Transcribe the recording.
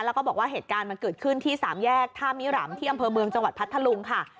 แล้วก็บอกว่าเหตุการณ์มันเกิดขึ้นที่สามแยกท่ามิรัมที่อำเภอเมืองจังหวัดพัทธลุงค่ะ